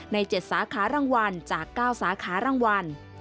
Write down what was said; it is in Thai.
๗สาขารางวัลจาก๙สาขารางวัล